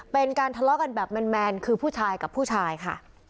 เป็นการทะเลาะกันแบบแมนคือผู้ชายกับผู้ชายค่ะ